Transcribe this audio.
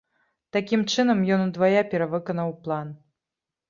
Такім чынам ён удвая перавыканаў план.